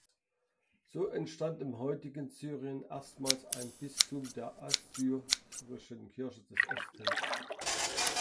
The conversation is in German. So entstand im heutigen Syrien erstmals ein Bistum der Assyrischen Kirche des Ostens.